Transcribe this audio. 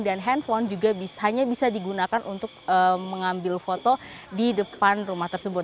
dan handphone juga hanya bisa digunakan untuk mengambil foto di depan rumah tersebut